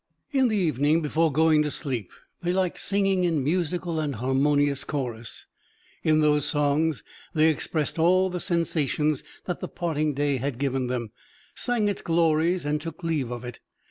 In the evening before going to sleep they liked singing in musical and harmonious chorus. In those songs they expressed all the sensations that the parting day had given them, sang its glories and took leave of it.